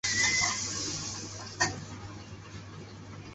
东亚东方虾蛄为虾蛄科东方虾蛄属下的一个种。